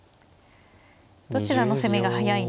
どちらの攻めが速いのか。